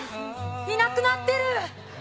いなくなってる。